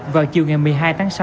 vào chiều ngày một mươi hai tháng sáu